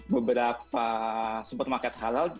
beberapa supermarket halal